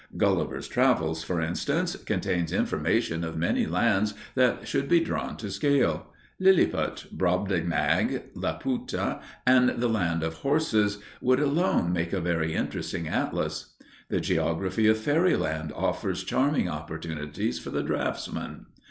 "Gulliver's Travels," for instance, contains information of many lands that should be drawn to scale. Lilliput, Brobdingnag, Laputa, and the land of horses would alone make a very interesting atlas. The geography of Fairyland affords charming opportunities for the draughtsman.